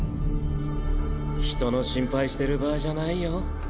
人の心配してる場合じゃないよ